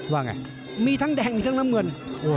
ว่าไงทั้งแดงทั้งเบือน